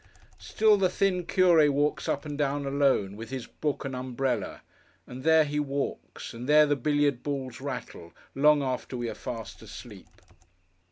Still the thin Curé walks up and down alone, with his book and umbrella. And there he walks, and there the billiard balls rattle, long after we are fast asleep.